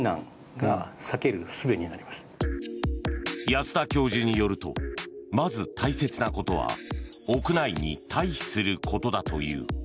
安田教授によるとまず大切なことは屋内に退避することだという。